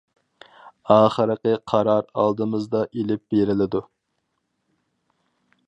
ئاخىرقى قارار ئالدىمىزدا ئېلىپ بېرىلىدۇ.